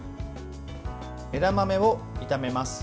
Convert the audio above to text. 枝豆を炒めます。